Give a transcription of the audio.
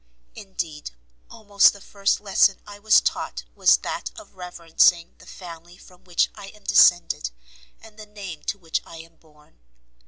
Indeed almost the first lesson I was taught was that of reverencing the family from which I am descended, and the name to which I am born.